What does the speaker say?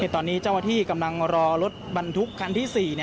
ตอนนี้เจ้าหน้าที่กำลังรอรถบรรทุกคันที่๔